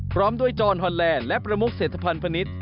พร้อมด้วยจรฮอนแลนด์และประมุกเศรษฐภัณฑ์พนิษฐ์